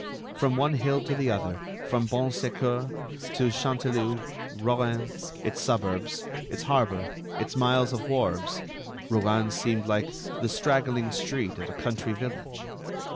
From one hill to the other, from Bon Secours to Canteleu, Rouen, its suburbs, its harbor, its miles of wharves, Rouen seemed like the straggling street of a country village.